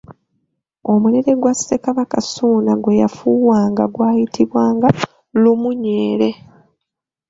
Omulere gwa Ssekabaka Ssuuna gwe yafuuwanga gwayitibwanga Lumuunyere.